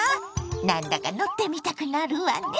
なんだか乗ってみたくなるわね。